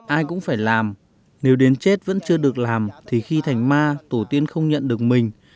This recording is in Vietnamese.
ai cũng phải làm nếu đến chết vẫn chưa được làm thì khi thành ma tổ tiên không nhận được mình